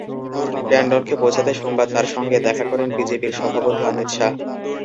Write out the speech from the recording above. ট্যান্ডনকে বোঝাতে সোমবার তাঁর সঙ্গে দেখা করেন বিজেপির সভাপতি অমিত শাহ।